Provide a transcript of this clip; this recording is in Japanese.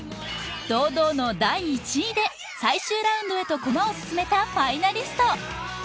堂々の第１位で最終ラウンドへとコマを進めたファイナリスト